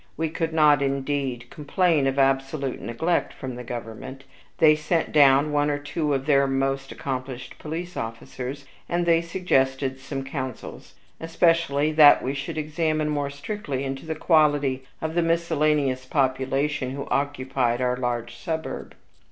We could not, indeed, complain of absolute neglect from the government. They sent down one or two of their most accomplished police officers, and they suggested some counsels, especially that we should examine more strictly into the quality of the miscellaneous population who occupied our large suburb.